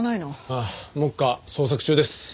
ああ目下捜索中です。